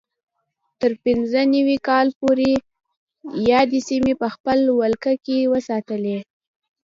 تر پینځه نوي کال پورې یادې سیمې په خپل ولکه کې وساتلې.